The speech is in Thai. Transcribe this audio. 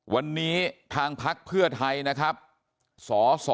วันนี้ทางพักเพื่อไทยสอ